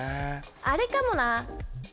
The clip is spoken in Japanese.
あれかもな。